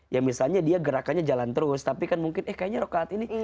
ya misalnya dia gerakannya jalan terus tapi kan mungkin eh kayaknya rokaat ini